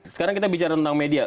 sekarang kita bicara tentang media